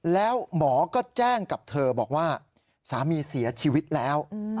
แล้วหมอก็แจ้งกับเธอบอกว่าสามีเสียชีวิตแล้ว